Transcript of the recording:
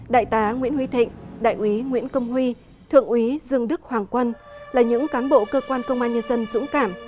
đại tá nguyễn huy thịnh đại úy nguyễn công huy thượng úy dương đức hoàng quân là những cán bộ cơ quan công an nhân dân dũng cảm